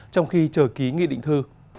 trong khi chờ ký nghị định thư